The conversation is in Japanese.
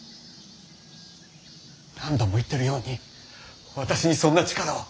何度も言ってるように私にそんな力は。